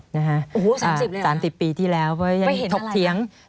โอ้โฮ๓๐ปีแล้วหรอไปเห็นอะไรล่ะ